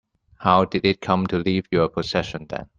How did it come to leave your possession then?